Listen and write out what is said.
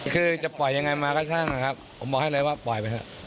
คือจะปล่อยยังไงมาก็ช่างนะครับผมบอกให้เลยว่าปล่อยไปเถอะ